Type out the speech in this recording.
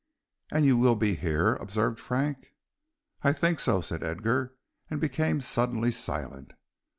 "And you will be here," observed Frank. "I think so," said Edgar, and became suddenly silent.